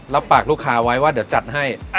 รับปากลูกค้าไว้ว่าเดี๋ยวจัดให้